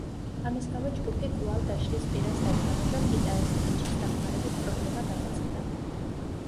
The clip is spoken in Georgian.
ამის გამო ჯგუფი კვლავ დაშლის პირას დადგა, მაგრამ გიტარისტ ეჯის დახმარებით პრობლემა გადაწყდა.